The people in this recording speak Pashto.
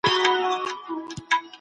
ستاسو یو پرمختګ بل ته هیله ورکوي.